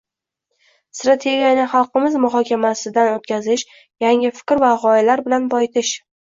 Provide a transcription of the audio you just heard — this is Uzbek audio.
Strategiyani xalqimiz muhokamasidan o‘tkazish, yangi fikr va g‘oyalar bilan boyitish